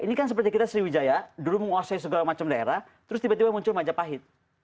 ini kan seperti kita sriwijaya dulu menguasai segala macam daerah terus tiba tiba muncul majapahit